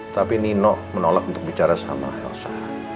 tapi nino menolak untuk bicara sama elsa